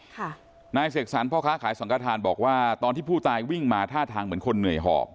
ค่ะนายเสกสรรพ่อค้าขายสังกฐานบอกว่าตอนที่ผู้ตายวิ่งมาท่าทางเหมือนคนเหนื่อยหอบ